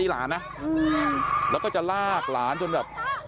แล้วก็จะลากหลานจนแบบ